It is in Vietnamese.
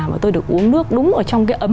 mà tôi được uống nước đúng ở trong cái ấm